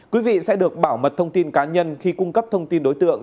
quý vị sẽ được bảo mật thông tin cá nhân khi cung cấp thông tin đối tượng